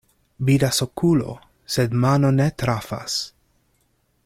Vidas okulo, sed mano ne trafas.